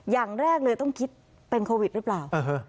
อย่างแรกเลยต้องคิดเป็นโควิดหรือเปล่า